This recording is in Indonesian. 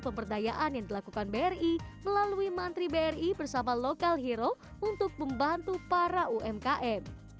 melalui mantri bri bersama lokal hero untuk membantu para umkm